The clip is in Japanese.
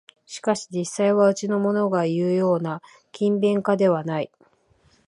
しかし実際はうちのものがいうような勤勉家ではない